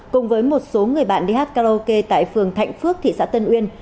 cùng với một số người bạn đi hát karaoke tại phường thạnh phước thị xã tân uyên